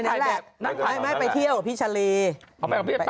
นั่นไปเที่ยวกับพี่ชะลี